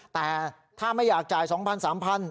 แต่ถ้าไม่อยากจ่าย๒๐๐๓๐๐บาท